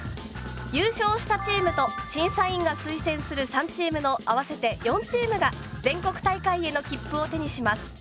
優勝したチームと審査員が推薦する３チームの合わせて４チームが全国大会への切符を手にします。